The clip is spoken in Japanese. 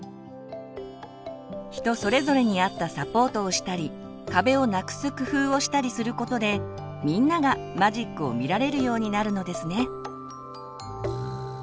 人それぞれに合ったサポートをしたり壁をなくす工夫をしたりすることでみんながマジックを見られるようになるのですね。